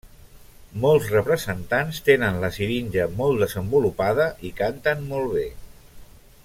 Molts representants tenen la siringe molt desenvolupada i canten molt bé.